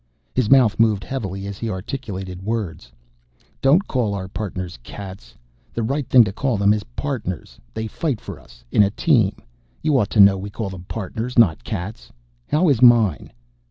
His mouth moved heavily as he articulated words, "Don't call our Partners cats. The right thing to call them is Partners. They fight for us in a team. You ought to know we call them Partners, not cats. How is mine?"